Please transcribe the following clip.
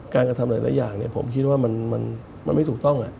การกระทำหลายอย่างผมคิดว่ามันไม่ถูกต้อง